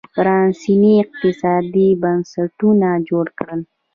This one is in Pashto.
پرانېستي اقتصادي بنسټونه جوړ کړل